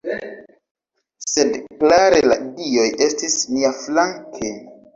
Sed klare la dioj estis niaflanke.